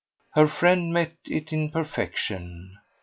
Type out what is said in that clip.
Her friend met it in perfection.